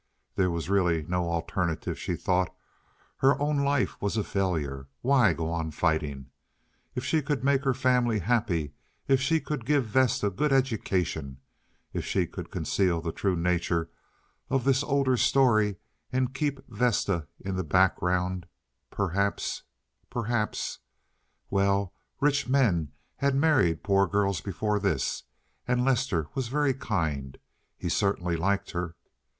There was really no alternative, she thought. Her own life was a failure. Why go on fighting? If she could make her family happy, if she could give Vesta a good education, if she could conceal the true nature of this older story and keep Vesta in the background perhaps, perhaps—well, rich men had married poor girls before this, and Lester was very kind, he certainly liked her.